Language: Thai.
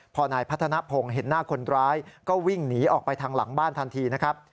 พอนายพัฒนภงเห็นหน้าคนร้ายก็วิ่งหนีออกไปทางหลังบ้านทันทีนะครับ